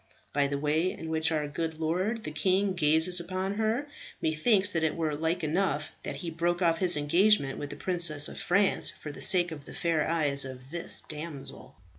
"By the way in which our good lord, the king, gazes upon her, methinks that it were like enough that he broke off his engagement with the Princess of France, for the sake of the fair eyes of this damsel."